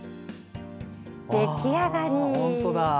出来上がり。